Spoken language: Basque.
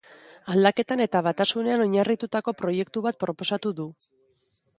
Aldaketan eta batasunean oinarritutako proiektu bat proposatu du.